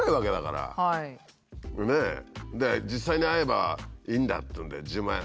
「実際に会えばいいんだ」っていうんで１０万円。